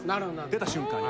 出た瞬間に。